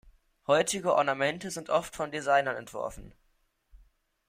Heutige Ornamente sind oft von Designern entworfen.